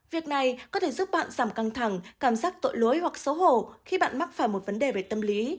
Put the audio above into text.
việc này có thể giúp bạn giảm căng thẳng cảm giác tội luối hoặc xấu hổ khi bạn mắc phải một vấn đề về tâm lý